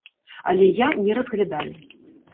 Але я не разглядаю.